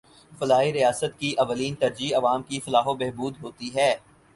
فلاحی ریاست کی اولین ترجیح عوام کی فلاح و بہبود ہوتی ہے۔